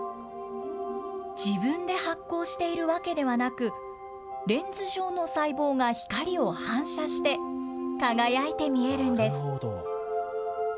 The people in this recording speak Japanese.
自分で発光しているわけではなく、レンズ状の細胞が光を反射して、輝いて見えるんです。